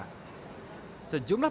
sejumlah pengendara berplat ganjil ini